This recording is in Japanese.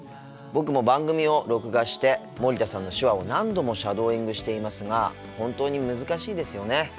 僕も番組を録画して森田さんの手話を何度もシャドーイングしていますが本当に難しいですよね。